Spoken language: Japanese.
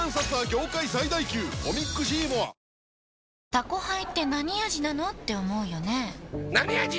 「タコハイ」ってなに味なのーって思うよねなに味？